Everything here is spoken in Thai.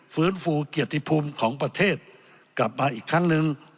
ฟื้นฟูเกียรติภูมิของประเทศกลับมาอีกครั้งนึง